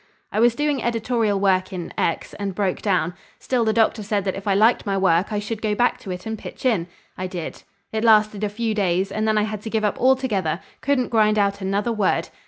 I was doing editorial work in X and broke down. Still the doctor said that if I liked my work, I should go back to it and pitch in. I did. It lasted a few days and then I had to give up altogether, couldn't grind out another word.